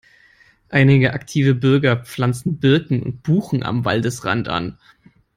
Einige aktive Bürger pflanzen Birken und Buchen am Waldesrand an.